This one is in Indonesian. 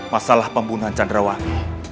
masalah pembunuhan candrawangi